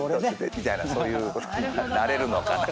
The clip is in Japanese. みたいなそういうことになれるのかな。